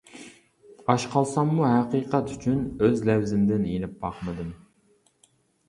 ئاچ قالساممۇ ھەقىقەت ئۈچۈن، ئۆز لەۋزىمدىن يېنىپ باقمىدىم.